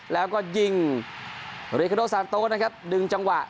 แล้วก็ยิงเรคาโดซานโตนะครับดึงจังหวะ